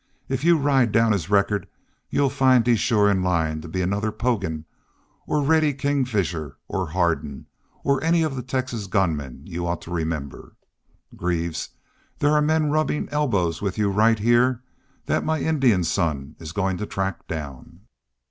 If you ride down his record you'll find he's shore in line to be another Poggin, or Reddy Kingfisher, or Hardin', or any of the Texas gunmen you ought to remember.... Greaves, there are men rubbin' elbows with you right heah that my Indian son is goin' to track down!'"